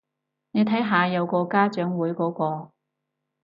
你睇下有個家長會嗰個